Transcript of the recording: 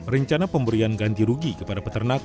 rencana pemberian ganti rugi kepada peternak